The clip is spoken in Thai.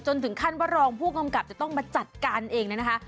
ถึงขั้นว่ารองผู้กำกับจะต้องมาจัดการเองเลยนะคะ